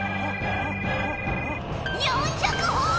４００ほぉ！